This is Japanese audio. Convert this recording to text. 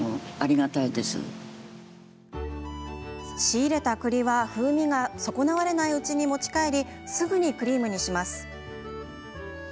仕入れた栗は、風味が損なわれないうちに持ち帰りすぐにクリームにします。